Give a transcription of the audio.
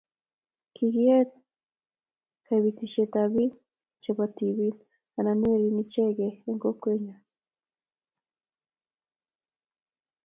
Kikiet kaibisietab biik chebo tibin ana werin ichegei eng' kokwenyo